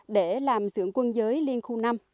để làm xưởng quân giới liên khu năm